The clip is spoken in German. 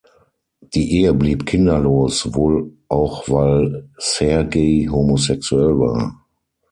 Die Ehe blieb kinderlos, wohl auch weil Sergei homosexuell war.